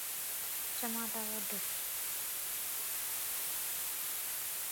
چماٽا وڍ